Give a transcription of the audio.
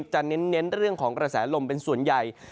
จะเน้นเรื่องของกระแสลมเป็นส่วนใหญ่